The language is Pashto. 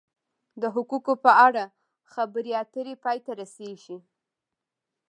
د حقوقو په اړه خبرې اترې پای ته رسیږي.